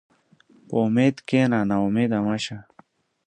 په امید کښېنه، ناامیده مه شه.